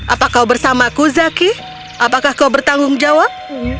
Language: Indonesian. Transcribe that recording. apa kau bersamaku zaki apakah kau bertanggung jawab